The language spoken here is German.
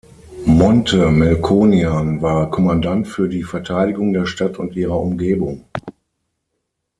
Monte Melkonian war Kommandant für die Verteidigung der Stadt und ihrer Umgebung.